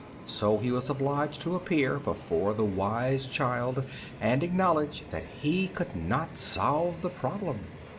So he was obliged to appear before the wise child and acknowledge that he could not solve the problem.